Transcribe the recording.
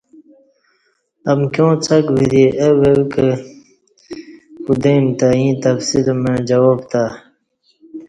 امکیاں څک وری او او کہ کُودئیم تہ ییں تفصیل مع جواب پتہ